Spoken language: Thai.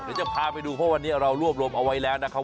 เดี๋ยวจะพาไปดูเพราะวันนี้เรารวบรวมเอาไว้แล้วนะครับ